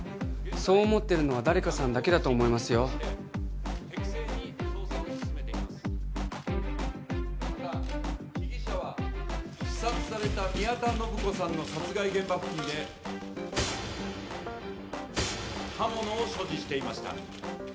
そう思ってるのは誰かさんだけだと思いますよまた被疑者は刺殺された宮田信子さんの殺害現場付近で刃物を所持していました